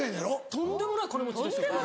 とんでもない金持ちですよ。